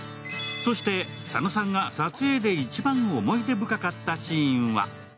佐野さんが撮影で一番思い出深かったシーンは。